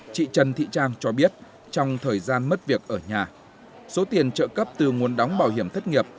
chị trần thị trang cho biết trong thời gian mất việc ở nhà số tiền trợ cấp từ nguồn đóng bảo hiểm thất nghiệp